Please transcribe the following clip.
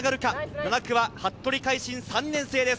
７区は服部凱杏・３年生です。